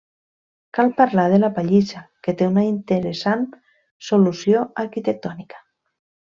Cal parlar de la pallissa que té una interessant solució arquitectònica.